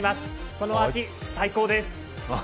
その味、最高です！